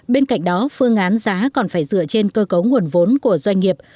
bên cạnh đó phương án giá còn phải dựa trên cơ cấu nguồn vốn của doanh nghiệp